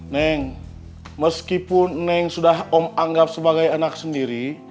neng meskipun neng sudah om anggap sebagai anak sendiri